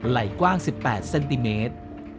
ไหลกว้าง๑๘เซนติเมตร